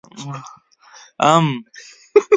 🥭 ام